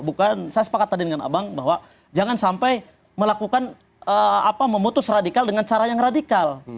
bukan saya sepakat tadi dengan abang bahwa jangan sampai melakukan memutus radikal dengan cara yang radikal